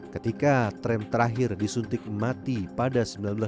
ketika tram terakhir disuntik mati pada seribu sembilan ratus sembilan puluh